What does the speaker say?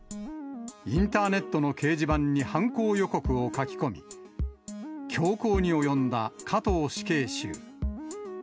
インターネットの掲示板に犯行予告を書き込み、凶行に及んだ加藤死刑囚。